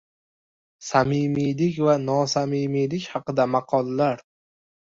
Samimiylik va nosamimiylik haqida maqollar.